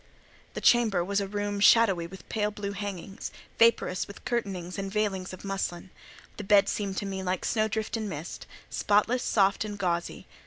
The chamber was a room shadowy with pale blue hangings, vaporous with curtainings and veilings of muslin; the bed seemed to me like snow drift and mist—spotless, soft, and gauzy.